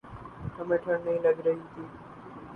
ہمیں ٹھنڈ نہیں لگ رہی تھی۔